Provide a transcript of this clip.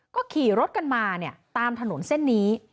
ก็ขี่รถกันมาตามถนนเส้นนี้